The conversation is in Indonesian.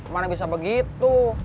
mana bisa begitu